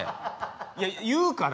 いや言うから。